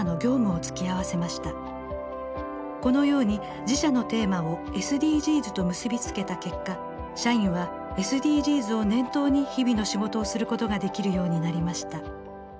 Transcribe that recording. このように自社のテーマをＳＤＧｓと結び付けた結果社員はＳＤＧｓを念頭に日々の仕事をすることができるようになりました。